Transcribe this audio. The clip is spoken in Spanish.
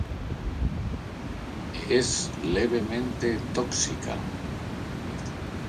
Es levemente tóxica.